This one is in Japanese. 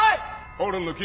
ホルンの君。